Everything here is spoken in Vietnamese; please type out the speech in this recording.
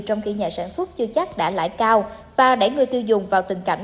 trong khi nhà sản xuất chưa chắc đã lãi cao và đẩy người tiêu dùng vào tình cảnh